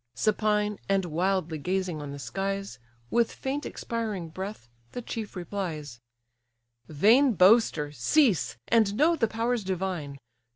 Supine, and wildly gazing on the skies, With faint, expiring breath, the chief replies: "Vain boaster! cease, and know the powers divine!